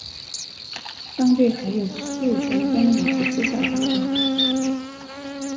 当地还有数间工业及制造单位。